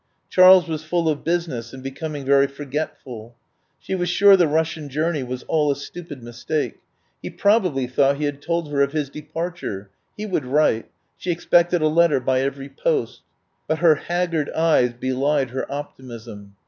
Charles was full of business and becoming very for getful. She was sure the Russian journey was all a stupid mistake. He probably thought he 26 THE WILD GOOSE CHASE had told her of his departure. He would write; she expected a letter by every post. But her haggard eyes belied her optimism.